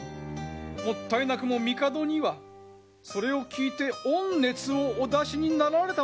もったいなくも帝にはそれを聞いて御熱をお出しになられたのだぞ。